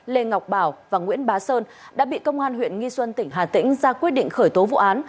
lê ngọc bảo và nguyễn bá sơn đã bị công an huyện nghi xuân tỉnh hà tĩnh ra quyết định khởi tố vụ án